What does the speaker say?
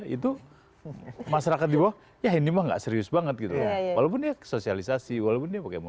itu masyarakat di bawah ya ini mah nggak serius banget gitu walaupun dia sosialisasi walaupun dia pakai